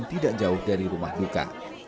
tidak jauh dari rumah duka